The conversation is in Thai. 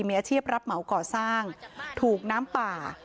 มีอาชีพรับเหมาก่อสร้างถูกน้ำป่า